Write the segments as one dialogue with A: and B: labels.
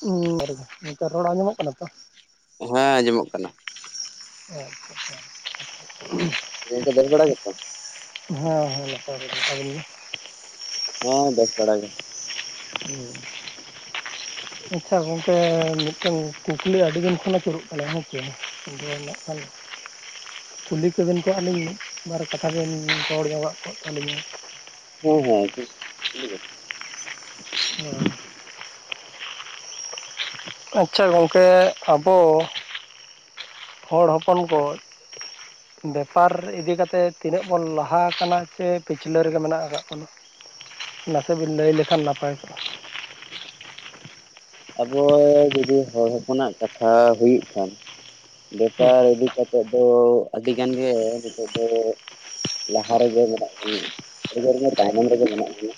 A: ᱦᱩ ᱱᱮᱛᱚᱜ ᱨᱚᱲ ᱟᱸᱡᱟᱢᱚᱜ ᱠᱟᱱᱟ ᱛᱚ
B: ᱦᱮᱸ ᱟᱸᱡᱚᱢᱚᱜ ᱠᱟᱱᱟ
A: ᱟᱪᱪᱷᱟ ᱟᱪᱪᱷᱟ ᱦᱮᱸ
B: ᱜᱚᱝᱠᱮ ᱵᱮᱥ ᱵᱟᱲᱟ
A: ᱦᱮᱸ
B: ᱜᱮᱛᱚ?
A: ᱱᱟᱯᱟᱭ ᱜᱮ ᱟᱵᱤᱱ ᱜᱮ
B: ᱦᱮᱸ ᱵᱮᱥ ᱵᱟᱲᱟ ᱜᱮ
A: ᱦᱮᱸ ᱟᱪᱪᱷᱟ ᱜᱚᱝᱠᱮ ᱢᱤᱫᱴᱮᱱ ᱠᱩᱠᱞᱤ ᱟᱹᱰᱤ ᱫᱤᱱ ᱠᱷᱚᱱ ᱟᱹᱪᱩᱨᱚᱜ ᱠᱟᱱᱟ ᱦᱮᱸ ᱪᱮ ᱟ ᱠᱷᱟᱱ [inaudible] ᱠᱩᱞᱤ ᱠᱚᱵᱮᱱ ᱠᱚᱜ ᱞᱤᱧ ᱢᱤᱫᱵᱟᱨ ᱠᱟᱛᱷᱟ ᱵᱮᱱ ᱨᱚᱲ ᱡᱚᱝᱟᱜ ᱠᱚᱜ ᱛᱞᱤᱧᱟ
B: ᱦᱮᱸ ᱦᱮᱸ ᱴᱷᱤᱠ ᱠᱩᱞᱤ ᱵᱮᱱ
A: ᱚ ᱟᱪᱪᱷᱟ ᱜᱚᱝᱠᱮ ᱟᱵᱚ ᱦᱚᱲ ᱦᱚᱯᱚᱱ ᱠᱚ ᱵᱮᱯᱟᱨ ᱤᱫᱤ ᱠᱟᱛᱮᱫ ᱛᱤᱱᱟᱹᱜ ᱵᱚᱱ ᱞᱟᱦᱟ ᱟᱠᱟᱱᱟ ᱥᱮ ᱯᱤᱪᱷᱞᱟᱹ ᱨᱮᱜᱮ ᱢᱮᱱᱟᱜ ᱠᱟᱜ ᱵᱚᱱᱟ ᱱᱟᱥᱮ ᱵᱮᱱ ᱞᱟᱹᱭ ᱞᱮᱠᱷᱟᱱ ᱱᱟᱯᱟᱭ ᱠᱚᱜᱼᱟ
B: ᱟᱵᱚ ᱡᱩᱫᱤ ᱦᱚᱲ ᱦᱚᱯᱚᱱᱟᱜ ᱠᱟᱛᱷᱟ ᱦᱩᱭᱩᱜ ᱠᱷᱟᱱ
A: ᱦᱩᱸ
B: ᱵᱮᱯᱟᱨ ᱤᱫᱤ ᱠᱟᱛᱮᱮᱫ ᱫᱚ ᱟᱹᱰᱤ ᱜᱟᱱ ᱜᱮ ᱱᱤᱛᱚᱜ ᱫᱚ ᱞᱟᱦᱟ ᱨᱮᱜᱮ ᱢᱮᱱᱟᱜ ᱵᱚᱱᱟ ᱟᱹᱰᱤᱜᱢᱟ ᱛᱟᱭᱱᱚᱢ ᱨᱮᱜᱮ ᱢᱮᱱᱟᱜ ᱵᱚᱱᱟ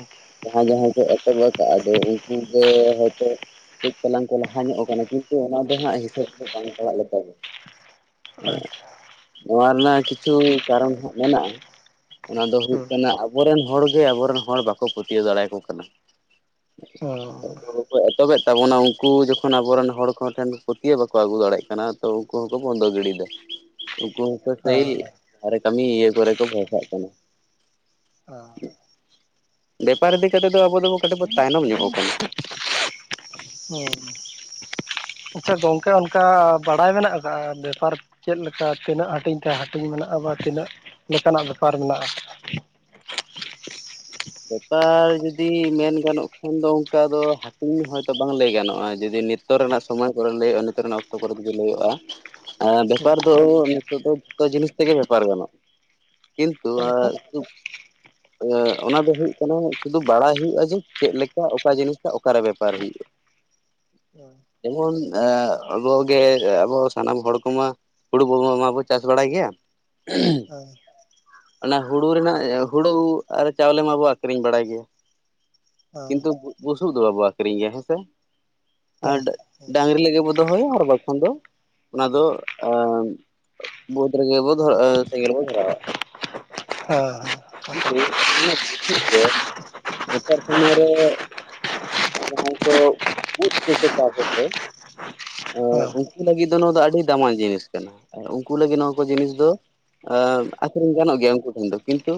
A: ᱟᱪᱪᱷᱟ
B: ᱡᱟᱦᱟᱸᱭ ᱡᱟᱦᱟᱸᱭ ᱠᱚ ᱮᱛᱚᱵ ᱟᱠᱟᱫᱼᱟᱫᱚ ᱩᱱᱠᱩ ᱜᱮ ᱦᱚᱭᱛᱳ ᱠᱟᱹᱡ ᱪᱟᱞᱟᱝ ᱠᱚ ᱞᱟᱦᱟ ᱧᱚᱜ ᱠᱟᱱᱟ ᱠᱤᱱᱛᱩ ᱚᱱᱟ ᱫᱚ ᱦᱟᱸᱜ ᱦᱤᱥᱟᱹᱵ ᱫᱚ ᱵᱟᱝ ᱯᱟᱲᱟᱜ ᱞᱮ ᱞᱮᱠᱟ ᱜᱮ ᱦ
A: ᱟᱪᱪᱷᱟ
B: ᱱᱚᱣᱟ ᱨᱮᱱᱟᱜ ᱠᱤᱪᱷᱩ ᱠᱟᱨᱚᱱ ᱦᱟᱸᱜ ᱢᱮᱱᱟᱜᱼᱟ ᱚᱱᱟ ᱫᱚ ᱦᱩᱭᱩᱜ
A: ᱦᱩᱸ
B: ᱠᱟᱱᱟ ᱟᱵᱚᱨᱮᱱ ᱦᱚᱲᱜᱮ ᱟᱵᱚᱨᱮᱱ ᱦᱚᱲ ᱵᱟᱠᱚ ᱯᱟᱹᱛᱭᱟᱹᱣ ᱫᱟᱲᱮᱭᱟᱠᱚ ᱠᱟᱱᱟ
A: ᱦᱩᱸ
B: ᱮᱛᱚᱦᱚᱵᱮᱫ ᱛᱟᱵᱚᱱᱟ ᱩᱱᱠᱩ ᱡᱚᱠᱷᱚᱱ ᱟᱵᱚᱨᱮᱱ ᱦᱚᱲ ᱠᱚ ᱴᱷᱮᱱ ᱯᱟᱹᱛᱭᱟᱹᱣ ᱵᱟᱠᱚ ᱟᱹᱜᱩ ᱫᱟᱲᱮᱭᱟᱜ ᱠᱟᱱᱟ ᱛᱚ ᱩᱱᱠᱩ ᱦᱚᱸᱠᱚ ᱵᱚᱱᱫᱚ ᱜᱤᱲᱤᱫᱟ ᱩᱱᱠᱩ ᱦᱚᱸᱠᱚ ᱥᱮᱭ
A: ᱦᱮᱸ
B: ᱵᱨᱮ ᱠᱟᱹᱢᱤ ᱤᱭᱟᱹ ᱠᱚᱨᱮ ᱠᱚ ᱵᱷᱥᱟᱜ ᱠᱟᱱᱟ ᱵᱮᱯᱟᱨ ᱤᱫᱤ ᱠᱟᱛᱮ ᱫᱚ ᱟᱵᱚ ᱫᱚ ᱠᱟᱹᱴᱤᱡ ᱵᱚ ᱛᱟᱭᱱᱚᱢ ᱧᱚᱜ ᱟᱵᱚ ᱦᱮᱞ [unintelligible]
A: ᱦᱮᱸ ᱦᱩᱸ ᱟᱪᱪᱷᱟ ᱜᱚᱝᱠᱮ ᱚᱱᱠᱟ ᱵᱟᱲᱟᱭ ᱢᱮᱱᱟᱜ ᱟᱠᱟᱫᱟ ᱵᱮᱯᱟᱨ ᱪᱮᱫᱞᱮᱠᱟ ᱛᱤᱱᱟᱹᱜ ᱦᱟᱹᱴᱤᱧ ᱛᱮ ᱦᱟᱹᱴᱤᱧ ᱢᱮᱱᱟᱜᱼᱟ ᱛᱤᱱᱟᱹᱜ ᱞᱮᱠᱟᱱᱟᱜ ᱵᱮᱯᱟᱨ ᱢᱮᱱᱟᱜᱼᱟ
B: ᱵᱮᱯᱟᱨ ᱡᱩᱫᱤ ᱢᱮᱱ ᱜᱟᱱᱚᱜ ᱠᱷᱟᱱ ᱫᱚ ᱚᱱᱠᱟ ᱫᱚ ᱦᱟᱹᱴᱤᱧ ᱦᱚᱭᱛᱳ ᱵᱟᱝ ᱞᱟᱹᱭ ᱜᱟᱱᱚᱜᱼᱟ ᱡᱩᱫᱤ ᱱᱤᱛᱚᱜ ᱨᱮᱱᱟᱜ ᱥᱚᱢᱚᱭ ᱠᱚᱨᱮ ᱞᱟᱹᱭ ᱦᱩᱭᱩᱜᱼᱟ ᱱᱤᱛᱚᱜ ᱨᱮᱱᱟᱜ ᱚᱠᱛᱚ ᱠᱚᱨᱮ ᱡᱫᱤ ᱞᱟᱹᱭ ᱦᱩᱭᱩᱜᱼᱟ ᱦᱮᱸ ᱵᱮᱯᱟᱨ ᱫᱚ ᱱᱤᱛᱚᱜ ᱫᱚ ᱡᱚᱛᱚ ᱡᱤᱱᱤᱥ ᱛᱮᱜᱮ ᱵᱮᱯᱟᱨ ᱜᱟᱱᱚᱜᱼᱟ ᱠᱤᱱᱛᱩ
A: ᱪᱮᱫ
B: ᱟ
A: ᱞᱮᱠᱟ
B: ᱟ ᱚᱱᱟ ᱫᱚ ᱦᱩᱭᱩᱜ ᱠᱟᱱᱟ ᱥᱩᱫᱩ ᱵᱟᱲᱟᱭ ᱦᱩᱭᱩᱜᱼᱟ ᱡᱮ ᱪᱮᱫᱞᱮ ᱞᱮᱠᱟ ᱚᱠᱟ ᱡᱤᱱᱤᱥ ᱚᱠᱟᱨᱮ ᱵᱮᱯᱟᱨ ᱦᱩᱭᱩᱜᱼᱟ
A: ᱦᱮ [unintelligible]
B: ᱡᱮᱢᱚᱱ ᱟᱵᱚᱜᱮ ᱟᱵᱚ ᱥᱟᱱᱟᱢ ᱦᱚᱲ ᱠᱚᱢᱟ [unintelligible] ᱦᱩᱲᱩ ᱵ ᱢᱟᱵᱚ ᱪᱟᱥ ᱵᱟᱲᱟᱭ ᱜᱮᱭᱟ
A: ᱦᱳᱭ
B: ᱚᱱᱟ ᱦᱩᱲᱩ ᱨᱮᱱᱟᱜ ᱦᱩᱲᱩ ᱟᱨ ᱪᱟᱣᱞᱮ ᱢᱟᱵᱚᱱ ᱟᱠᱠᱷᱨᱤᱧ ᱵᱟᱲᱟᱭ ᱜᱮᱭᱟ
A: ᱦᱮᱸ
B: ᱠᱤᱱᱛᱩ ᱵᱩᱥᱩᱵ ᱫᱚᱢᱮ ᱵᱚᱱ ᱟᱠᱷᱨᱤᱧ ᱜᱮᱭᱟ ᱦᱮᱸ ᱥᱨᱮᱮ ᱟᱨ
A: ᱦᱮᱸ ᱦᱮᱸ
B: ᱰᱟᱝᱝᱨᱤ ᱞᱟᱹᱜᱤᱫ ᱵᱚ ᱫᱚᱦᱚᱭᱟ ᱟᱨ ᱵᱟᱠᱷᱟᱱ ᱫᱚ ᱚᱱᱟ ᱫᱚ ᱵᱟᱹᱫᱽ ᱨᱮᱜᱮ ᱵᱚ ᱫᱷᱚᱨ ᱥᱮᱸᱜᱮᱞ ᱵᱚ ᱫᱷᱚᱨᱟᱣᱟ
A: ᱦᱮᱸ ᱦᱮ [unintelligible]
B: ᱦᱩᱜ ᱛᱮ ᱱᱮᱛᱟᱨ ᱥᱚᱢᱚᱭ ᱨᱮ ᱭ ᱡᱟᱦᱟᱸᱟᱭ ᱠᱚ ᱩᱵ ᱛᱠᱚ ᱪᱟᱥ ᱫᱚ ᱩᱱᱠᱩ ᱞᱟᱹᱜᱤᱫ ᱫᱚ ᱱᱚᱣᱟ ᱫᱚ ᱟᱹᱰᱤ ᱫᱟᱢᱟᱱ ᱡᱤᱱᱤᱥ ᱠᱟᱱᱟ ᱟᱨ ᱩᱱᱠᱩ ᱞᱟᱹᱜᱤᱫ ᱱᱚᱣᱟ ᱠᱚ ᱡᱤᱱᱤᱥ ᱫᱚ ᱟᱹᱠᱷᱨᱤᱧ ᱜᱟᱱᱚᱜ ᱜᱮᱭᱟ ᱩᱱᱠᱩ ᱴᱷᱮᱱ ᱫᱚ ᱠᱤᱱᱛᱩ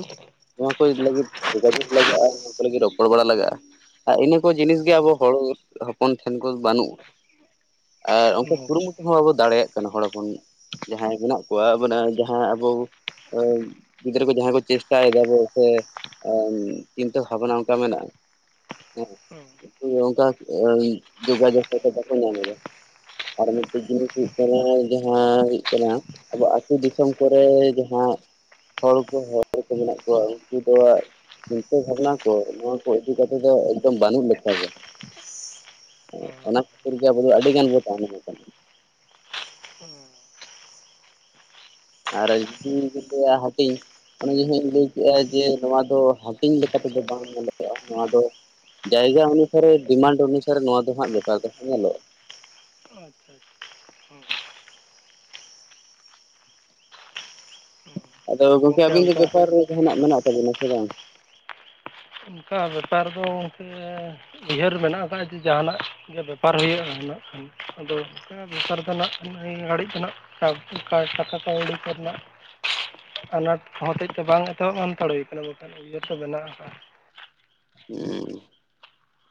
B: ᱱᱚᱣᱟ ᱚᱠᱚᱭ ᱞᱟᱹᱜᱤᱫ ᱡᱳᱜᱟᱡᱳᱜ ᱞᱟᱜᱟᱜᱼᱟ ᱚᱱᱟ ᱠᱚ ᱞᱟᱹᱜᱤᱫ ᱨᱚᱯᱚᱲ ᱵᱟᱲᱟ ᱞᱟᱜᱟᱜᱼᱟ ᱟᱨ ᱤᱱᱟᱹ ᱠᱚ ᱡᱤᱱᱤᱥ ᱜᱮ ᱟᱵᱚ ᱦᱚᱲ ᱦᱚᱯᱚᱱ ᱴᱷᱮᱱ ᱠᱚ ᱵᱟᱹᱱᱩᱜ ᱟᱨ ᱚᱱᱠᱟ
A: ᱦᱮᱸ
B: ᱠᱩᱨᱩᱢᱩᱴᱩ ᱦᱚᱸ ᱵᱟᱵᱚᱱ ᱫᱟᱲᱮᱭᱟᱜ ᱠᱟᱱᱟ ᱦᱚᱲ ᱦᱚᱯᱚᱱ ᱡᱟᱦᱟᱸᱭ ᱢᱮᱱᱟᱜ ᱠᱚᱣᱟᱮ ᱡᱟᱦᱟᱸ ᱟᱵᱚ ᱜᱤᱫᱽᱨᱟᱹ ᱠᱚ ᱡᱟᱦᱟᱸᱟᱭ ᱠᱚ ᱪᱮᱥᱴᱟᱭᱮᱫᱟ ᱵᱚ ᱥᱮ ᱪᱤᱱᱛᱟᱹ ᱵᱷᱟᱵᱱᱟ ᱚᱱᱠᱟ ᱢᱮᱱᱟᱜᱼᱟ ᱦᱮᱸ ᱚᱱᱠᱟ ᱡᱜᱟᱡᱚᱜ ᱵᱟᱠᱚ ᱧᱟᱢᱫᱟ ᱟᱨ ᱢᱤᱫᱴᱮᱡ ᱡᱤᱱᱤᱥ ᱦᱩᱭᱩᱜ ᱠᱟᱱᱟ ᱡᱟᱦᱟᱸ ᱦᱩᱭᱩᱜ ᱠᱟᱱᱟ ᱟᱵᱚ ᱟᱹᱛᱩ ᱫᱤᱥᱚᱢ ᱠᱚᱨᱮ ᱡᱟᱦᱟᱸ ᱦᱚᱲ ᱠᱚ ᱦᱚᱲ ᱠᱚ ᱢᱮᱱᱟᱜ ᱠᱚᱣᱟ ᱩᱱᱠᱩ ᱫᱚ ᱪᱤᱱᱛᱟᱹ ᱵᱷᱟᱵᱽᱱᱟ ᱠᱚ ᱱᱚᱣᱟ ᱠᱚ ᱤᱫᱤ ᱠᱟᱛᱮᱮᱫ ᱫᱚ ᱮᱠᱫᱚᱢ ᱵᱟᱹᱱᱩᱜ ᱞᱮ ᱞᱮᱠᱟ ᱜᱮ
A: ᱦᱮᱸ
B: ᱚᱱᱟ ᱠᱷᱟᱹᱛᱤᱨ ᱜᱮ ᱟᱵᱚ ᱫᱚ ᱟᱹᱰᱤᱜᱟᱱ ᱵᱚᱱ ᱛᱟᱭᱱᱚᱢ ᱠᱟᱱᱟ ᱟᱨ ᱨᱟᱡᱽ ᱜ ᱡᱮ ᱦᱴᱤ [unintelligible] ᱚᱱᱮ ᱡᱮ ᱦᱟᱸᱜ ᱤᱧ ᱞᱟᱹᱭ ᱠᱮᱫᱼᱟ ᱡᱮ ᱱᱚᱣᱟ ᱫᱚ ᱦᱟᱹᱴᱤᱧ ᱞᱮᱠᱟ ᱛᱮᱫᱚ ᱵᱟᱝ ᱧᱮᱞᱚᱜᱼᱟ ᱱᱚᱣᱟ ᱫᱚ ᱡᱟᱭᱜᱟ ᱚᱱᱩᱥᱟᱨᱮ ᱰᱤᱢᱟᱱᱰ ᱚᱱᱩᱥᱟᱨᱮ ᱱᱚᱣᱟ ᱫᱚ ᱦᱟᱸᱜ ᱵᱮᱯᱟᱨ ᱫᱚᱦ ᱧᱮᱞᱚᱜᱼᱟ
A: ᱟᱪᱪᱷᱟ ᱟᱪᱷᱟ
B: ᱟᱫᱚ ᱜᱚᱢᱠᱮ
A: ᱜᱚᱝᱠᱮ
B: ᱟᱵᱤᱱ ᱫᱚ
A: ᱚᱱᱠᱟ
B: ᱵᱮᱯᱟᱨ ᱨᱮ ᱡᱟᱦᱟᱱᱟᱜ ᱢᱮᱱᱟᱜ ᱛᱟᱵᱤᱱᱟ ᱥᱮ ᱵᱟᱝ
A: ᱚᱱᱠᱟ ᱵᱮᱯᱟᱨ ᱫᱚᱠ ᱩᱭᱦᱟᱹᱨ ᱢᱮᱱᱟᱜ ᱟᱠᱟᱫᱼᱟ ᱡᱮ ᱡᱟᱦᱟᱱᱟᱜ ᱜᱮ ᱵᱮᱯᱟᱨ ᱦᱩᱭᱩᱜᱼᱟ ᱠᱷᱟᱱ ᱟᱫᱚ ᱚᱱ ᱫᱚᱥᱟᱨ ᱫᱚ ᱟᱸᱜ ᱜᱷᱟᱹᱲᱤᱡ ᱫᱚ ᱚᱱᱠᱟ ᱠᱟᱟᱹᱲ ᱠᱚᱨᱮᱱᱟᱜ ᱟᱱᱟᱴ ᱦᱚᱛᱮᱡ ᱛᱮ ᱵᱟᱝ ᱮᱛᱚᱦᱚᱵᱟᱱᱛᱟᱲ ᱦᱩᱭ ᱠᱟᱱᱟ ᱵᱟᱝᱠᱷᱟᱱ ᱤᱭᱟᱹ ᱛᱚ ᱵᱮ ᱠᱟᱜᱼᱟ
B: ᱦᱮᱸ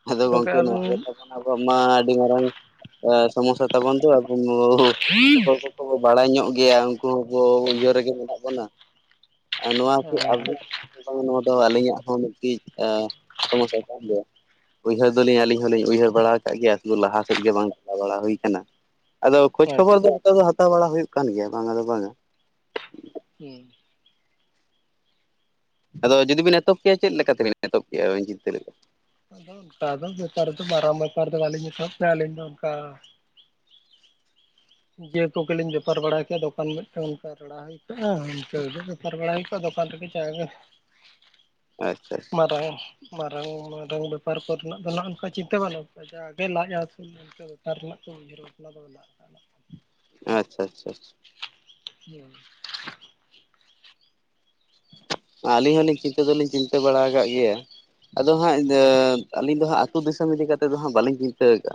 B: ᱟᱫᱚ ᱜᱚᱝᱠᱮ ᱱᱚᱣᱟ ᱜᱮ ᱛᱵᱚᱱᱟ ᱟᱵᱚᱣᱟᱜ ᱢᱟ ᱟᱹᱰᱤ ᱢᱟᱨᱟᱝ ᱥᱚᱢᱚᱥᱥᱟ ᱛᱟᱵᱚᱱ ᱛᱚ ᱟᱵ ᱠᱚᱠᱚ ᱵᱟᱲᱟᱭ ᱧᱚᱜ ᱜᱮᱭᱟ ᱩᱱᱠᱩ ᱦᱚᱸ ᱩᱭᱦᱟᱹᱨ ᱨᱮᱜᱮ ᱢᱮᱱᱟᱜ ᱵᱚᱱᱟ ᱟᱨ ᱱᱚᱣᱟ
A: ᱦᱮᱸ ᱦᱮᱸ
B: ᱠᱚ
A: ᱟᱪᱪᱷᱟ
B: ᱟᱵᱚ ᱵᱟᱝ ᱱᱚᱣᱟ ᱫᱚ ᱟᱹᱞᱤᱧᱟᱜ ᱦᱚᱸ ᱢᱤᱫᱴᱤᱱ ᱥᱚᱢᱚᱥᱥᱟ ᱠᱟᱱ ᱜᱮᱭᱟ᱾ ᱩᱭᱦᱟᱹᱨ ᱫᱚᱞᱤᱧ ᱟᱹᱞᱤᱧ ᱦᱚᱞᱤᱧ ᱩᱭᱦᱟᱹᱨ ᱵᱟᱲᱟ ᱟᱠᱟᱫ ᱜᱮᱭᱟ ᱥᱩᱫᱩ ᱞᱟᱦᱟ ᱥᱮᱫ ᱜᱮ ᱵᱟᱝ ᱪᱟᱞᱟᱣ ᱵᱟᱲᱟ ᱦᱩᱭᱟᱱᱟ᱾ ᱟᱫᱚ ᱠᱷᱳᱡᱽ ᱠᱷᱚᱵᱚᱨ ᱫᱚ
A: ᱦᱩᱸ
B: ᱟᱯ ᱫᱚ ᱦᱟᱛᱟᱣ ᱵᱟᱲᱟ ᱦᱩᱭᱩᱜ ᱠᱟᱱ ᱜᱮᱭᱟ ᱵᱟᱝ ᱫᱚ ᱵᱟᱝᱟ᱾
A: ᱦᱮᱸ
B: ᱟᱫᱚ ᱡᱩᱫᱤ ᱵᱮᱤᱱ ᱮᱛᱚᱦᱚᱵ ᱠᱮᱭᱟ ᱪᱮᱫ ᱞᱮᱠᱟ ᱛᱮᱵᱤᱱ ᱮᱛᱚᱦᱚᱵ ᱠᱮᱜᱼᱟ ᱟᱹᱵᱤᱱ ᱪᱤᱱᱛᱟᱹ ᱫᱚ
A: ᱛᱫᱚ ᱵᱮᱯᱟᱨ ᱫᱚ ᱵᱟᱨᱚᱢ ᱵᱮᱯᱟᱨᱫ ᱟᱞᱤᱧ ᱥᱯ ᱟᱹᱞᱤᱧ ᱫᱚ ᱚᱱᱠᱟ ᱡᱤᱭᱟᱹ ᱠᱚᱜᱮᱞᱤᱧ ᱵᱮᱯᱟᱨ ᱵᱟᱲᱟᱭ ᱠᱼᱟ ᱫᱚᱠᱟᱱ ᱢᱤᱫᱴᱮᱱ ᱚᱱᱠᱟ ᱨᱟᱲᱟ ᱦᱩᱭ ᱠᱚᱜᱼᱟ ᱤᱱᱠᱟᱹ ᱵᱮᱯᱟᱨ ᱵᱟᱲᱟ ᱦᱩᱭ ᱠᱚᱜᱼᱟ ᱫᱚᱠᱟᱱ
B: ᱟᱪᱪᱷᱟ
A: [unintelligible] ᱢᱟᱨᱟᱝ ᱢᱟᱨᱟᱝ ᱵᱮᱯᱟᱨ ᱠᱚᱨᱮᱱᱟᱜ ᱫᱚ ᱱᱚᱝᱠᱟ ᱪᱤᱱᱛᱟᱹ ᱵᱟᱹᱱᱩᱜ ᱠᱚᱼᱟ ᱡᱟᱜᱮ ᱞᱟᱡ ᱦᱟᱹᱥᱩᱞ ᱵᱮᱯᱟᱨ ᱨᱮᱱᱟᱜ [unintelligible]
B: ᱟᱪᱪᱷᱟ ᱟᱪᱪᱷᱟ ᱪᱷᱟ
A: [inaudible]
B: ᱟᱹᱞᱤᱧ ᱦᱚᱸᱞᱤᱧ ᱪᱤᱱᱛᱟᱹ ᱫᱚᱞᱤᱧ ᱪᱤᱱᱛᱟᱹ ᱵᱟᱲᱟ ᱟᱠᱟᱫ ᱜᱮᱭᱟ ᱟᱫᱚ ᱦᱟᱸᱜ ᱟᱹᱞᱤᱧ ᱫᱚ ᱦᱟᱸᱜ ᱟᱹᱛᱩ ᱫᱤᱥᱚᱢ ᱤᱫᱤ ᱠᱟᱛᱮᱫ ᱫᱚ ᱦᱟᱸᱜ ᱵᱟᱹᱞᱤᱧ ᱪᱤᱱᱛᱟᱹ ᱠᱟᱜᱼᱟ᱾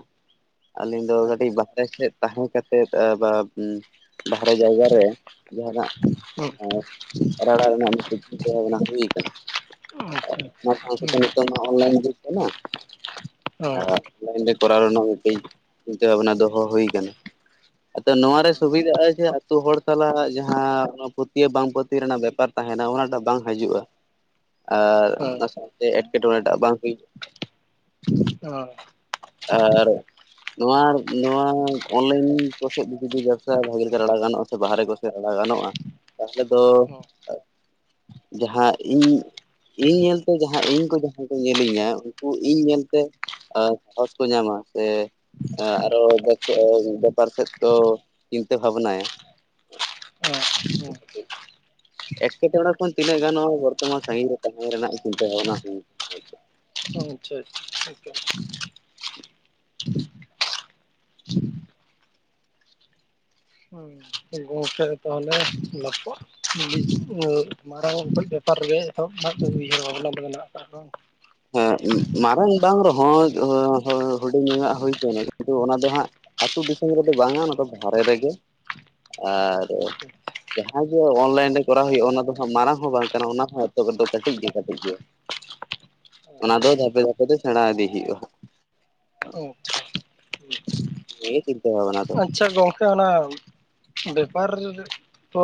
B: ᱟᱹᱞᱤᱧ ᱫᱚ ᱠᱟᱹᱴᱤᱡ
A: ᱟᱪᱪᱷᱟ
B: ᱵᱟᱦᱨᱮ ᱥᱮᱫ ᱛᱟᱦᱮᱸ ᱠᱟᱛᱮᱫ ᱵᱟ [unintelligible] ᱵᱟᱦᱨᱮ ᱡᱟᱭᱜᱟ ᱨᱮ ᱡᱟᱦᱟᱱᱟᱜ
A: ᱦᱩᱸ ᱟᱪᱪᱷᱟ ᱦᱩᱸ
B: ᱨᱟᱲᱟ ᱨᱮᱱᱟᱜ [unintelligible]
A: ᱦᱮᱸ ᱦᱮᱸ ᱦᱮᱸ
B: ᱱᱤᱛᱚᱜ ᱢᱟ ᱚᱱᱞᱟᱭᱤᱱ ᱡᱩᱜᱽ ᱠᱟᱱᱟ ᱚᱱᱞᱟᱭᱤᱱ ᱨᱮ ᱠᱚᱨᱟᱣ ᱨᱮᱱᱟᱜ ᱢᱤᱫ ᱴᱮᱡ ᱪᱤᱱᱛᱟᱹ ᱵᱷᱟᱵᱱᱟ ᱫᱚᱦᱚ ᱦᱩᱭ ᱠᱟᱱᱟ ᱟᱫᱚ ᱱᱚᱣᱟ ᱨᱮ ᱥᱩᱵᱤᱫᱷᱟᱜᱼᱟ ᱡᱮ ᱟᱹᱛᱳ ᱦᱚᱲ ᱥᱟᱞᱟᱜ ᱡᱟᱦᱟᱸ ᱯᱟᱹᱛᱭᱟᱹᱣ ᱵᱟᱝ ᱯᱟᱹᱛᱭᱟᱹᱣ ᱨᱮᱱᱟᱜ ᱵᱮᱯᱟᱨ ᱛᱟᱦᱮᱸ ᱦᱮ ᱱᱟᱣᱟᱴᱟᱜ ᱵᱟᱝ ᱦᱤᱡᱩᱜᱼᱟ᱾ ᱟᱨ ᱚᱱᱟ ᱥᱟᱶᱛᱮ ᱮᱸᱴᱠᱮᱴᱚᱬᱮ ᱴᱟᱜ ᱵᱟᱝ ᱦᱩᱭᱩᱜᱼᱟ᱾
A: ᱚ
B: ᱟᱨ ᱱᱚᱣᱟ ᱱᱚᱣᱟ ᱚᱱᱞᱟᱭᱤᱱ ᱠᱚᱥᱮᱫ ᱡᱩᱫᱤ ᱵᱮᱵᱽᱥᱟ ᱵᱷᱟᱜᱤ ᱞᱮᱠᱟ ᱨᱟᱲᱟ ᱜᱟᱱᱚᱜᱼᱟ ᱥᱮ ᱵᱟᱦᱦᱨᱮ ᱠᱚ ᱨᱟᱲᱟ ᱜᱟᱱᱚᱜᱼᱟ ᱜᱟᱱᱚᱜᱼᱟ ᱛᱟᱦᱚᱞᱮ ᱫᱚ ᱡᱟᱦᱟᱸ ᱤᱧ ᱤᱧ ᱧᱮᱞᱛᱮ ᱡᱟᱦᱟᱸ ᱤᱧ ᱠᱚ ᱡᱟᱦᱟᱸᱭ ᱠᱚ ᱧᱮᱞᱤᱧᱟ ᱩᱱᱠᱩ ᱤᱧ ᱧᱮᱞᱛᱮ ᱟᱨ ᱥᱟᱦᱚᱥ ᱠᱚ ᱧᱟᱢᱟ ᱥᱮ ᱟᱨᱚ ᱵᱮᱯᱟᱨ ᱥᱮᱫ ᱠᱚ ᱪᱤᱱᱛᱟᱹ ᱵᱷᱟᱵᱽᱱᱟᱭᱟ᱾
A: ᱚ ᱦᱮ
B: ᱮᱴᱠᱮᱴᱚᱬᱮ ᱠᱷᱚᱱ ᱛᱤᱱᱟᱹᱜ ᱜᱟᱱ ᱵᱚᱨᱛᱚᱢᱟᱱ ᱥᱟᱺᱜᱤᱧ ᱨᱮ ᱛᱟᱦᱮᱸᱱ ᱨᱮᱱᱟᱜ ᱪᱤᱱᱛᱟᱹ ᱵᱷᱟᱵᱽᱱᱟ ᱦᱩᱭ
A: ᱟᱪᱪᱷᱟ ᱟᱪᱪᱷᱟ ᱟᱪᱪᱷᱟ ᱜᱚᱢᱠᱮ ᱛᱟᱦᱚᱞᱮᱚ ᱢᱟᱨᱟᱝ ᱵᱮᱯᱟᱨ ᱨᱮᱜᱮ ᱮᱦᱚᱵ ᱩᱭᱦᱟᱹᱨ ᱵᱷᱟᱵᱽᱱᱟ ᱫᱚ ᱢᱮᱱᱟᱜ ᱟᱠᱟᱫ ᱥᱮ ᱵᱟᱝ
B: ᱦᱮᱸ ᱢᱟᱨᱟᱝ ᱵᱟᱝ ᱨᱚᱦᱚᱸ ᱦᱚᱸ ᱦᱩᱰᱤᱧ ᱱᱚᱜᱟᱜ ᱦᱚᱭᱛᱚ ᱠᱤᱱᱛᱩ ᱚᱱᱟ ᱫᱚ ᱦᱟᱸᱜᱛ ᱫᱤᱥᱚᱢ ᱨᱮᱫᱚ ᱵᱟᱝᱼᱟ ᱚᱱᱟ ᱫᱚ ᱵᱟᱦᱨᱮ [unintelligible] ᱟᱨ
A: ᱟᱪᱪᱷᱟ
B: ᱡᱟᱦᱟᱸ ᱜᱮ ᱚᱱᱞᱟᱭᱤᱱ ᱨᱮ ᱠᱚᱨᱟᱣ ᱦᱩᱭᱩᱜᱼᱟ ᱚᱱᱟ ᱫᱚ ᱦᱟᱜ ᱢᱟᱨᱟᱝ ᱦᱚᱸ ᱵᱟᱝ ᱠᱟᱱᱟ ᱚᱱᱟ ᱦᱚᱸ ᱱᱤᱛᱚᱜ ᱫᱚ ᱠᱟᱹᱴᱤᱡ ᱜᱮ ᱠᱟᱹᱴᱤᱡ ᱜᱮ
A: [unintelligible]
B: ᱚᱱᱟ ᱫᱚ ᱫᱷᱟᱯᱮ ᱫᱷᱟᱯᱮ ᱛᱮ ᱥᱮᱬᱟ ᱤᱫᱤ ᱦᱩᱭᱩᱜᱼᱟ᱾ [unintelligible]
A: ᱟᱪᱪᱷᱟ ᱜᱚᱝᱠᱮ ᱚᱱᱟ ᱵᱮᱯᱟᱨ ᱛᱚ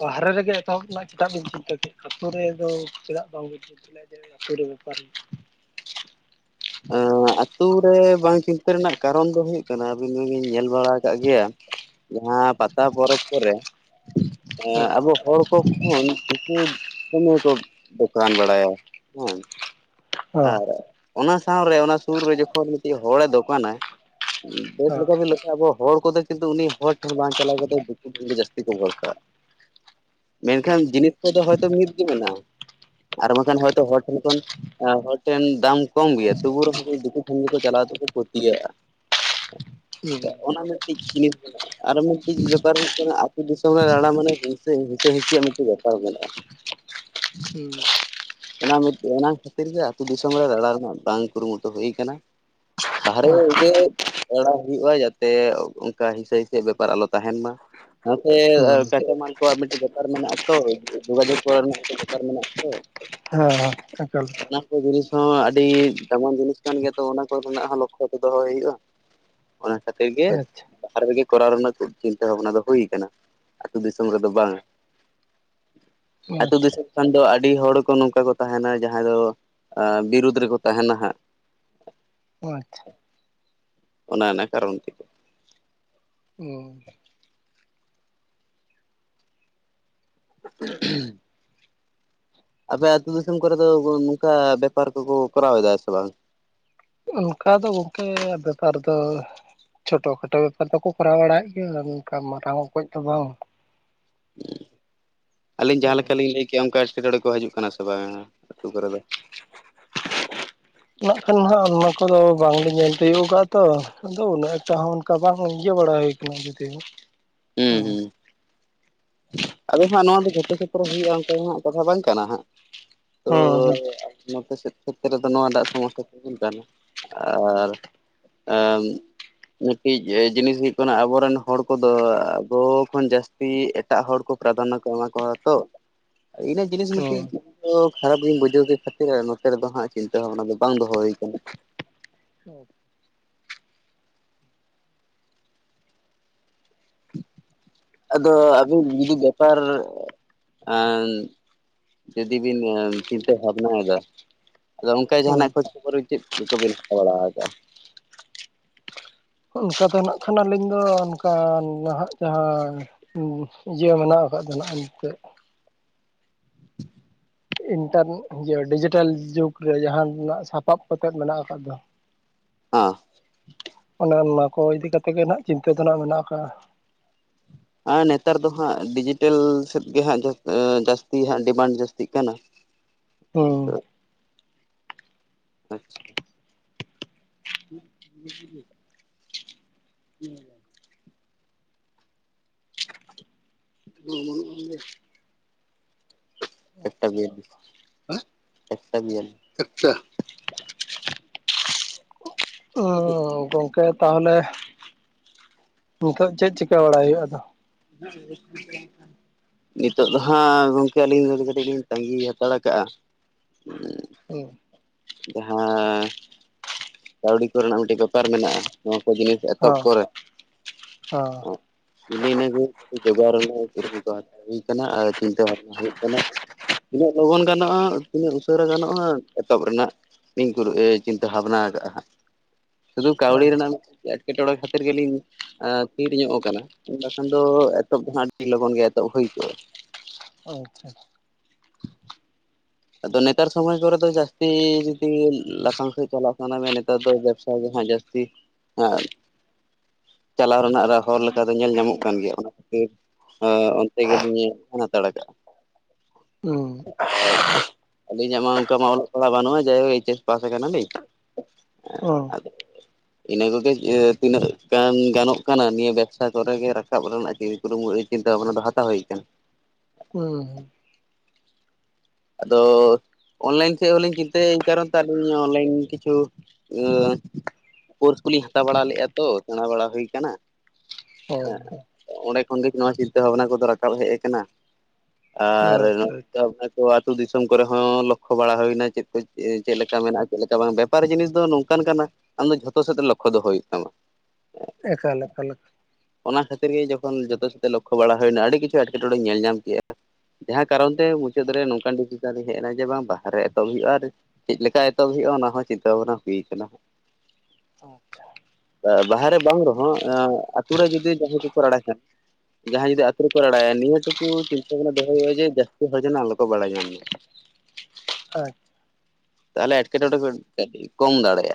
A: ᱵᱟᱦᱨᱮ ᱨᱮᱜᱮ ᱮᱛᱚᱦᱚᱵ ᱨᱮᱱᱟᱜ ᱪᱮᱫᱟᱜ ᱵᱤᱱ ᱪᱤᱱᱛᱟᱹ ᱠᱮᱫᱟ ᱟᱹᱛᱩ ᱨᱮᱫᱚ ᱪᱮᱫᱟᱜ ᱵᱟᱝ ᱵᱮᱱ [unintelligible]
B: ᱟᱛᱩ ᱨᱮ ᱵᱟᱝ ᱪᱤᱱᱛᱟᱹ ᱨᱮᱱᱟᱜ ᱠᱟᱨᱚᱱ ᱫᱚ ᱦᱩᱭᱩᱜ ᱠᱟᱱᱟ ᱟᱹᱵᱤᱱ ᱦᱚᱵᱤᱱ ᱧᱮᱞ ᱵᱟᱲᱟ ᱠᱟᱜ ᱜᱮᱭᱟ ᱡᱟᱦᱟᱸ ᱯᱟᱛᱟ ᱯᱚᱨᱚᱵᱽ ᱠᱚᱨᱮ
A: ᱦᱮᱸ
B: ᱟᱵᱚ ᱦᱚᱲ ᱠᱚ ᱠᱷᱚᱱ ᱠᱤᱪᱷᱩ ᱫᱚᱢᱮ ᱠᱚ ᱫᱚᱠᱟᱱ ᱵᱟᱲᱟᱭᱟ ᱦᱮᱸ
A: ᱦᱮᱸ
B: ᱟᱨ ᱚᱱᱟ ᱥᱟᱶᱛᱮ ᱚᱱᱟ ᱥᱩᱨ ᱨᱮ ᱡᱚᱠᱷᱚᱱ ᱢᱤᱫᱴᱤᱡ ᱦᱚᱲᱮ ᱫᱚᱠᱟᱱᱟᱭ ᱵᱮᱥ
A: ᱦᱮᱸ
B: ᱞᱮᱠᱟ ᱟᱵᱚ ᱦᱚᱲ ᱫᱚ ᱠᱤᱱᱛᱩ ᱩᱱᱤ ᱦᱚᱲ ᱴᱷᱮᱱ ᱵᱟᱝ ᱪᱟᱞᱟᱣ ᱠᱟᱛᱮ ᱫᱤᱠᱩ ᱴᱷᱮᱱ ᱜᱮ ᱡᱟᱹᱥᱛᱤ ᱠᱚ ᱵᱷᱚᱨᱥᱟᱜᱼᱟ ᱢᱮᱱᱠᱷᱟᱱ ᱡᱤᱱᱤᱥ ᱠᱚᱫᱚ ᱦᱚᱭᱛᱳ ᱢᱤᱫᱜᱮ ᱢᱮᱱᱟᱜᱼᱟ ᱟᱨ ᱵᱟᱝᱠᱷᱟᱱ ᱦᱚᱭᱛᱳ ᱦᱚᱲ ᱴᱷᱮᱱ ᱠᱷᱚᱱ ᱦᱚᱲ ᱴᱷᱮᱱ ᱫᱟᱢ ᱠᱚᱢ ᱜᱮᱭᱟ ᱛᱚᱵᱩ ᱨᱮᱦᱚ ᱫᱤᱠᱩ ᱴᱷᱮᱱ ᱜᱮᱠᱚ ᱪᱟᱞᱟᱣ ᱛᱮᱠᱚ ᱯᱟᱹᱛᱭᱟᱹᱜᱼᱟ
A: ᱦᱮᱸ ᱦᱮᱸ
B: [unintelligible] ᱟᱨ ᱢᱤᱫᱴᱤᱡ ᱵᱮᱯᱟᱨ ᱦᱩᱭᱩᱜ ᱠᱟᱱᱟ ᱟᱹᱛᱩ ᱫᱤᱥᱚᱢ ᱨᱮ ᱨᱟᱲᱟ ᱢᱟᱱᱮ ᱦᱤᱸᱥᱟᱹ ᱦᱤᱥᱤᱭᱟᱜ ᱢᱤᱫᱴᱮᱱ ᱵᱮᱯᱟᱨ ᱢᱮᱱᱟᱜᱼᱟ
A: ᱦᱮᱸ
B: ᱚᱱᱟ ᱢᱤᱫ ᱚᱱᱟ ᱠᱷᱟᱹᱛᱤᱨ ᱜᱮ ᱟᱹᱛᱩ ᱫᱤᱥᱚᱢ ᱨᱮ ᱞᱟᱲᱟ ᱨᱮᱱᱟᱜ ᱵᱟᱝ ᱠᱩᱨᱩᱢᱩᱴᱩ ᱦᱩᱭ ᱠᱟᱱᱟ ᱵᱟᱦᱨᱮ
A: ᱦᱩᱸ
B: ᱜᱮ ᱮᱲᱟᱭ ᱦᱩᱭᱩᱜᱼᱟ ᱡᱟᱛᱮ ᱚᱱᱠᱟ ᱦᱤᱥᱟᱹ ᱦᱤᱸᱥᱤ ᱵᱮᱯᱟᱨ ᱟᱞᱚ ᱛᱟᱦᱮᱸᱱ ᱢᱟ ᱱᱚᱛᱮ
A: ᱦᱩᱸ
B: ᱠᱟᱪᱟ ᱢᱟᱞ ᱠᱚᱣᱟᱜ ᱢᱤᱫᱴᱮᱱ ᱵᱮᱯᱟᱨ ᱢᱮᱱᱟᱜᱼᱟᱛᱚ ᱡᱳᱜᱟᱡᱳᱜᱽ ᱠᱚ ᱨᱮᱱᱟᱜ ᱢᱤᱫᱴᱮᱱ ᱵᱮᱯᱟᱨ ᱢᱮᱱᱟᱜᱛᱚ
A: ᱦᱮᱸ ᱦᱮᱸ ᱮᱠᱟᱞ
B: ᱡᱤᱱᱤᱥ ᱟᱹᱰᱤ ᱫᱟᱢᱟᱱ ᱡᱤᱱᱤᱥ ᱠᱟᱱ ᱜᱮᱭᱟ ᱛᱚ ᱚᱱᱟ ᱠᱚᱨᱮᱱᱟᱜ ᱦᱚᱸ ᱞᱚᱠᱠᱷᱚ ᱫᱚ ᱫᱚᱦᱚᱭ ᱦᱩᱭᱩᱜᱼᱟ ᱚᱱᱟ ᱠᱷᱟᱛᱤᱨ ᱜᱮ
A: ᱟᱪᱪᱷᱟ
B: ᱵᱟᱦᱨᱮ ᱨᱮᱜᱮ ᱠᱚᱨᱟᱣ ᱨᱮᱱᱟᱜ ᱠᱩ ᱪᱤᱱᱛᱟᱹ ᱵᱷᱟᱵᱽᱱᱟ ᱫᱚ ᱦᱩᱭ ᱠᱟᱱᱟ ᱟᱛᱩ ᱫᱤᱥᱚᱢ ᱨᱮᱫᱚ ᱵᱟᱝᱟ ᱟᱛᱩ
A: ᱟᱪᱪᱷᱟ
B: ᱫᱤᱥᱚᱢ ᱠᱷᱟᱱ ᱫᱚ ᱟᱰᱤ ᱦᱚᱲ ᱠᱚ ᱱᱚᱝᱠᱟ ᱠᱚ ᱛᱟᱦᱮᱱᱟ ᱡᱟᱦᱟᱸᱭ ᱫᱚ ᱚ ᱵᱤᱨᱩᱫᱽ ᱨᱮᱠᱚ ᱛᱟᱦᱮᱱᱟ ᱦᱟᱸᱜ
A: ᱟᱪᱪᱷᱟ
B: ᱚᱱᱟ ᱱᱟ ᱠᱟᱨᱚᱱ ᱛᱮᱜᱮ
A: ᱦᱩᱸ
B: ᱚᱸᱜ ᱩᱦᱩᱸ ᱦᱩᱸ ᱟᱯᱮ ᱟᱛᱩ ᱫᱤᱥᱚᱢ ᱠᱚᱨᱮ ᱫᱚ ᱚ ᱵᱚ ᱱᱩᱠᱟ ᱵᱮᱯᱟᱨ ᱠᱚᱠᱚ ᱠᱚᱨᱟᱣᱮᱫᱟ ᱥᱮ ᱵᱟᱝ
A: ᱚᱱᱠᱟ ᱫᱚ ᱜᱚᱝᱠᱮ ᱵᱮᱯᱟᱨ ᱫᱚ ᱪᱷᱚᱴᱚ ᱠᱷᱟᱴᱚ ᱵᱮᱯᱟᱨ ᱫᱚᱠᱚ ᱠᱚᱨᱟᱣ ᱵᱟᱲᱟᱭᱮᱫ ᱜᱮᱭᱟ ᱱᱚᱠᱟ ᱢᱟᱨᱟᱝ ᱚᱠᱚᱡ ᱫᱚ ᱵᱟᱝ
B: ᱩᱸᱻ ᱟᱞᱤᱧ ᱡᱟᱦᱟᱸ ᱞᱮᱠᱟ ᱞᱤᱧ ᱞᱟᱹᱭ ᱠᱮᱜᱼᱟ ᱚᱱᱠᱟ ᱥᱮᱴᱠᱮᱴᱬᱮ ᱠᱚ ᱦᱟᱡᱩᱜ ᱠᱟᱱᱟ ᱥᱮ ᱵᱟᱝ ᱟᱛᱩ ᱠᱚᱨᱮ ᱫᱚ
A: ᱩᱱᱟᱜ ᱠᱷᱟᱱ ᱢᱟᱦᱟᱜ ᱚᱱᱟ ᱠᱚᱫᱚ ᱵᱟᱝ ᱞᱤᱧ ᱧᱮᱞ ᱛᱤᱭᱩᱜ ᱠᱟᱜ ᱛᱚ ᱟᱫᱚ ᱩᱱᱟ ᱴᱟᱜ ᱦᱚᱸ ᱚᱱᱠᱟ ᱵᱟᱝ ᱤᱭᱟᱹᱣ ᱵᱟᱲ ᱟᱭ ᱠᱟᱱᱟ ᱡᱩᱫᱤ
B: ᱦᱩᱸ ᱦᱩᱸ ᱟᱫᱚ ᱦᱟᱸᱜ ᱱᱚᱣᱟ ᱫᱚ ᱡᱚᱛᱚ ᱪᱮᱛᱨᱚ ᱦᱩᱭᱩᱜᱼᱟ ᱚᱱᱠᱟ ᱫᱚ ᱦᱟᱸᱜ ᱠᱟᱛᱷᱟ ᱵᱟᱝ ᱠᱟᱱᱟ ᱦᱟᱸᱜ
A: ᱦᱩᱸ ᱦᱩᱸ
B: ᱠᱷᱮᱛ ᱨᱮᱫᱚ ᱱᱚᱣᱟ ᱴᱟᱜ ᱥᱚᱢᱚᱥᱥᱟ ᱛᱤᱸᱜᱩᱱ ᱠᱟᱱᱟ ᱟᱨ ᱟᱸᱻ ᱢᱤᱫᱴᱤᱡ ᱚ ᱡᱤᱱᱤᱥ ᱦᱩᱭᱩᱜ ᱠᱟᱱᱟ ᱟᱵᱚᱨᱮᱱ ᱦᱚᱲ ᱠᱚ ᱫᱚ ᱟᱵᱚ ᱠᱷᱚᱱ ᱡᱟᱥᱛᱤ ᱮᱴᱟᱜ ᱦᱚᱲ ᱠᱚ ᱯᱨᱟᱫᱷᱟᱱᱟ ᱠᱚ ᱮᱢᱟ ᱠᱚᱣᱟ ᱛᱚ ᱤᱱᱟᱹ ᱡᱤᱱᱤᱥ
A: ᱦᱩᱸ
B: ᱢᱤᱫᱴᱤᱡ ᱫᱳᱜᱽ ᱠᱷᱟᱨᱟᱯ ᱜᱤᱧ ᱵᱩᱡᱷᱟᱹᱣ ᱠᱮᱫ ᱠᱷᱟᱛᱤᱨ ᱱᱚᱛᱮ ᱨᱮᱫᱚ ᱦᱟᱸᱜ ᱪᱤᱱᱛᱟᱹ ᱵᱷᱟᱵᱽᱱᱟ ᱫᱚ ᱵᱟᱝ ᱫᱚᱦᱚ ᱦᱩᱭ ᱠᱟᱱᱟ
A: ᱚᱯᱴ ᱠᱷᱩᱵ
B: ᱟᱜ ᱟᱸᱱ ᱡᱩᱫᱤ ᱵᱤᱱ ᱚᱸ ᱪᱤᱱᱛᱟᱹ ᱵᱷᱟᱵᱽᱱᱟ ᱭᱮᱫᱟ ᱟᱫᱚ ᱚᱱᱠᱟ ᱡᱟᱦᱟ ᱱᱟᱜ ᱠᱷᱚᱡᱽ ᱠᱷᱳᱵᱳᱨ ᱪᱮᱫ ᱠᱚᱵᱤᱱ ᱦᱟᱛᱟ ᱵᱟᱲᱟ ᱟᱠᱟᱜᱼᱟ
A: ᱚᱱᱠᱟ ᱛᱮ ᱱᱟᱜ ᱠᱷᱟᱱ ᱟᱞᱤᱧ ᱫᱚ ᱚᱱᱠᱟ ᱱᱟᱦᱟᱜ ᱡᱟᱦᱟᱸ ᱤ ᱤᱭᱟᱹ ᱢᱮᱱᱟᱜ ᱟᱠᱟᱫ ᱢᱮᱱᱟᱜᱼᱟ ᱮᱱᱛᱮᱜ ᱤᱱᱴᱚᱨᱱ ᱤᱭᱟᱹ ᱰᱤᱡᱤᱴᱮᱞ ᱡᱩᱜᱽ ᱨᱮ ᱡᱟᱦᱟᱸ ᱱᱟᱜ ᱥᱟᱯᱟᱵ ᱠᱚᱛᱮᱫ ᱢᱮᱱᱟᱜ ᱟᱠᱟᱫ ᱫᱚ
B: ᱟᱸ
A: ᱚᱱᱮ ᱚᱱᱟ ᱠᱚ ᱤᱫᱤ ᱠᱟᱛᱮᱜ ᱜᱮ ᱱᱟᱦᱟᱸᱜ ᱪᱤᱱᱛᱟᱹ ᱫᱚ ᱱᱟᱦᱟᱸᱜ ᱢᱮᱱᱟᱜ ᱟᱠᱟᱜᱼᱟ
B: ᱟ ᱱᱮᱛᱟᱨ ᱫᱚ ᱦᱟᱸᱜ ᱰᱤᱡᱤᱴᱮᱞ ᱥᱮᱫ ᱜᱮ ᱦᱟᱸᱜ ᱡᱟ ᱚ ᱡᱟᱥᱛᱤ ᱦᱟᱸᱜ ᱰᱤᱢᱟᱱᱰ ᱡᱟᱹᱥᱛᱤᱜ ᱠᱟᱱᱟ
A: ᱩᱸᱻ
B: ᱟᱪᱪᱷᱟ ᱩᱫ ᱵᱩ ᱵᱩᱞᱩ ᱧᱮᱞᱟᱢ ᱚᱸ ᱵᱟᱱᱩᱜᱼᱟ ᱚᱸᱰᱮ ᱮᱠ ᱴᱟ ᱵᱤᱭᱟᱞᱤᱥ ᱟ ᱮᱠᱴᱟ ᱵᱤᱭᱟᱞᱤᱥ ᱮᱠᱴᱟ ᱫᱩᱯ
A: ᱜᱚᱝᱠᱮ ᱛᱟᱦᱚᱞᱮ ᱱᱤᱛᱚᱜ ᱪᱮᱫ ᱪᱤᱠᱟ ᱵᱟᱲᱟᱭ ᱦᱩᱭᱩᱜ-ᱟ ᱫᱚ
B: [inaudible] ᱱᱤᱛᱚᱜ ᱫᱚ ᱦᱟᱸᱜ ᱜᱚᱝᱠᱮ ᱟᱞᱤᱧ ᱫᱚ ᱞᱤᱧ ᱠᱟᱴᱤᱡ ᱞᱤᱧ ᱛᱟᱸᱜᱤ ᱦᱟᱛᱟᱲ ᱟᱠᱟᱜᱼᱟ ᱩᱸᱻ
A: ᱳᱦ
B: ᱡᱟᱦᱟᱸᱻ ᱠᱟᱣᱰᱤ ᱠᱚᱨᱮ ᱱᱟᱜ ᱢᱤᱫᱴᱮᱡ ᱵᱮᱯᱟᱨ ᱢᱮᱱᱟᱜᱼᱟ ᱱᱚᱣᱚ ᱠᱚ ᱡᱤᱱᱤᱥ ᱮᱛᱚᱦᱚᱵ ᱯᱚᱨᱮ
A: ᱦᱚᱸ
B: ᱟ ᱤᱱᱟᱹ ᱱᱟᱹ ᱜᱤ ᱠᱟ. ᱴᱤᱡ ᱡᱚᱜᱟᱣ ᱨᱮᱱᱟᱜ ᱠᱩᱨᱩᱢᱩᱴᱩ ᱦᱟᱛᱟᱣ ᱦᱩᱭ ᱠᱟᱱᱟ ᱟᱨ ᱪᱤᱱᱛᱟᱹ ᱵᱷᱟᱵᱽᱱᱟ ᱦᱩᱭᱩᱜ ᱠᱟᱱᱟ ᱛᱤᱱᱟᱹᱜ ᱞᱚᱜᱚᱱ ᱜᱟᱱᱚᱜᱼᱟ ᱛᱤᱱᱟᱹᱜ ᱩᱥᱟᱹᱨᱟ ᱜᱟᱱᱚᱜᱼᱟ ᱮᱛᱚᱦᱚᱵ ᱨᱮᱱᱟᱜ ᱤᱧ ᱠᱩᱨᱩᱜ ᱮ ᱪᱤᱱᱛᱟᱹ ᱵᱷᱟᱵᱽᱱᱟ ᱟᱠᱟᱜᱼᱟ ᱦᱟᱸᱜ ᱥᱩᱫᱩ ᱠᱟᱣᱰᱤ
A: ᱟᱪᱪᱷᱟ
B: ᱨᱮᱱᱟᱜ ᱢᱤᱫ ᱮᱴᱠᱮᱴᱚᱬᱮ ᱠᱷᱟᱛ ᱛᱮᱨ ᱜᱮᱞᱤᱧ ᱟᱸ ᱛᱷᱤᱨ ᱧᱚᱜ ᱟᱠᱟᱱᱟ ᱟ ᱵᱟᱠᱷᱟᱱ ᱫᱚ ᱮᱛᱚᱦᱚᱵ ᱫᱚ ᱦᱟᱸᱜ ᱟᱰᱤ ᱞᱚᱜᱚᱱ ᱜᱮ ᱮᱛᱚᱦᱚᱵ ᱦᱩᱭ ᱠᱚᱜᱼᱟ
A: ᱚᱪᱷᱟ
B: ᱟᱫᱚ ᱱᱮᱛᱟᱨ ᱥᱚᱢᱚᱭ ᱠᱚᱨᱮ ᱫᱚ ᱡᱟᱥᱛᱤ ᱡᱩᱫᱤ ᱞᱚ ᱞᱟᱯᱷᱟᱝ ᱥᱮᱫ ᱪᱟᱞᱟᱜ ᱥᱟᱱᱟ ᱢᱮ ᱱᱮᱛᱟᱨ ᱫᱚ ᱵᱮᱵᱽᱥᱟᱭ ᱵᱮᱱ ᱦᱚᱸ ᱡᱟᱥᱛᱤ ᱟᱸᱵ ᱪᱟᱞᱟᱣ ᱨᱮᱱᱟᱜ ᱦᱚᱨ ᱞᱮᱠᱟ ᱫᱚ ᱧᱮᱞ ᱧᱟᱢᱚᱜ ᱠᱟᱱ ᱜᱮᱭᱟ ᱚᱱᱟ ᱠᱷᱟᱹᱛᱤᱨ ᱦ ᱚᱱᱛᱮ ᱜᱮᱞᱤᱧ ᱦᱟᱛᱟᱲ ᱠᱟᱜᱼᱟ
A: ᱦᱩᱸ
B: ᱟᱨ ᱟᱹᱞᱤᱧᱟᱜ ᱢᱟ ᱚᱱᱠᱟ ᱢᱟ ᱚᱞᱚᱜ ᱯᱟᱲᱦᱟᱜ ᱵᱟᱹᱱᱩᱜᱼᱟ ᱡᱟᱭᱦᱳᱠ ᱮᱭᱤᱪ ᱮᱥ ᱯᱟᱥᱟ ᱠᱟᱱᱟᱞᱤᱧ
A: ᱚ
B: ᱤᱱᱟᱹ ᱠᱚᱜᱮ ᱛᱤᱱᱟᱹᱜ ᱜᱟᱱ ᱜᱟᱱᱚᱜ ᱠᱟᱱᱟ ᱱᱤᱭᱟᱹ ᱵᱮᱵᱽᱥᱟ ᱠᱚᱨᱮᱜᱮ ᱨᱟᱠᱟᱵ ᱨᱮᱱᱟᱜ ᱪᱤ ᱠᱢᱩ ᱪᱤᱱᱛᱟᱹ ᱵᱷᱟᱵᱱᱟ ᱫᱚ ᱦᱟᱛᱟᱣ ᱦᱳᱭ ᱟᱠᱟᱱᱟ
A: ᱦᱮᱸᱸ
B: ᱟᱫᱚ ᱚᱱᱞᱟᱭᱤᱱ ᱥᱮᱫ ᱦᱚᱸᱞᱤᱧ ᱪᱤᱱᱛᱟᱹᱭᱟ ᱮᱭ ᱠᱟᱨᱚᱱ ᱛᱮ ᱟᱹᱞᱤᱧ ᱚᱱᱞᱟᱭᱤᱱ ᱠᱤᱪᱷᱩ ᱠᱳᱨᱥ ᱠᱚᱞᱤᱧ ᱦᱟᱛᱟᱣ ᱵᱟᱲᱟ ᱞᱮᱫᱼᱟ ᱛᱚ ᱥᱮᱬᱟ ᱵᱟᱲᱟ ᱦᱩᱭ ᱠᱟᱱᱟ
A: ᱦᱩᱸ ᱚ
B: ᱦᱮᱸ ᱚᱸᱰᱮ ᱠᱷᱚᱱᱜᱮ ᱱᱚᱣᱟ ᱪᱤᱱᱛᱟᱹ ᱵᱷᱟᱵᱽᱱᱟ ᱠᱚᱫᱚ ᱨᱟᱠᱟᱵ ᱦᱮᱡ ᱠᱟᱱᱟ ᱟᱨ
A: ᱟᱪᱪᱷᱟ ᱟᱪᱪᱷᱟ
B: ᱱᱚᱠᱟ ᱟᱹᱛᱩ ᱫᱤᱥᱚᱢ ᱠᱚᱨᱮ ᱦᱚᱸ ᱞᱚᱠᱠᱷᱚ ᱵᱟᱲᱟ ᱦᱩᱭᱱᱟ ᱪᱮᱫ ᱠᱚ ᱪᱮᱫ ᱞᱮᱠᱟ ᱢᱮᱱᱟᱜᱼᱟ ᱪᱮᱫ ᱞᱮᱠᱟ ᱵᱟᱝ ᱵᱮᱯᱟᱨ ᱡᱤᱱᱤᱥ ᱫᱚ ᱱᱚᱝᱠᱟᱱ ᱟᱢ ᱫᱚ ᱡᱷᱚᱛᱚ ᱥᱮᱫ ᱛᱮ ᱞᱚᱠᱠᱷᱚ ᱫᱚ ᱦᱩᱭᱩᱜ ᱛᱟᱢᱟ
A: ᱮᱠᱟᱞ ᱮᱠᱟᱞ ᱞᱮᱠᱟ
B: ᱚᱱᱟ ᱠᱷᱟᱹᱛᱤᱨ ᱜᱮ ᱡᱚᱛᱚ ᱥᱟᱛᱮ ᱞᱚᱠᱠᱷᱚ ᱵᱟᱲᱟ ᱦᱩᱭᱱᱟ ᱟᱹᱰᱤ ᱠᱤᱪᱷᱩ ᱮᱴᱠᱮᱴᱚᱬᱮ ᱧᱮᱞ ᱧᱟᱢ ᱠᱮᱜᱼᱟ ᱡᱟᱦᱟᱸ ᱠᱟᱨᱚᱱ ᱛᱮ ᱢᱩᱪᱟᱹ ᱨᱮ ᱱᱚᱝᱠᱟᱱ ᱰᱤᱥᱤᱥᱟᱱ ᱨᱤᱧ ᱦᱮᱡ ᱮᱱᱟ ᱡᱮ ᱵᱟᱝ ᱵᱟᱨᱨᱮ ᱨᱮ ᱮᱛᱚᱦᱚᱵ ᱦᱩᱭᱩᱜᱼᱟ ᱟᱨ ᱪᱮᱫ ᱞᱮᱠᱟ ᱮᱛᱚᱦᱚᱵ ᱦᱩᱭᱩᱜᱼᱟ ᱚᱱᱟ ᱦᱚᱸ ᱪᱤᱱᱛᱟᱹ ᱵᱷᱟᱱᱟ ᱦᱩᱭᱩᱜᱼᱟ ᱴᱷᱤᱠ
A: ᱟᱪᱪᱷᱟ
B: ᱵᱟᱦᱨᱮ ᱵᱟᱝ ᱨᱮᱦᱚᱸ ᱟᱹᱛᱳ ᱨᱮ ᱡᱩᱫᱤ ᱡᱟᱦᱟᱸᱭ ᱠᱚᱠᱚ ᱨᱟᱲᱟ ᱠᱷᱟᱱ ᱡᱟᱦᱟᱸᱭ ᱡᱩᱫᱤ ᱟᱛᱳ ᱨᱮᱠᱚ ᱨᱲᱟᱲᱟᱭᱟ ᱱᱤᱭᱟᱹ ᱴᱩᱠᱩ ᱪᱤᱱᱛᱟᱹ ᱵᱷᱟᱱᱟ ᱫᱚᱦᱚ ᱦᱩᱭᱩᱜᱼᱟ ᱡᱮ ᱡᱟᱹᱥᱛᱤ ᱟᱞ ᱠᱚ ᱵᱟᱲᱟᱭ ᱧᱟᱢ ᱢᱟ ᱛᱟᱦᱚᱞᱮ ᱮᱴᱠᱮᱴᱚᱬᱮ
A: ᱦᱩᱸ
B: ᱠᱚ ᱠᱟᱹᱴᱤᱡ ᱠᱚᱢ ᱫᱟᱲᱮᱭᱟᱜᱼᱟ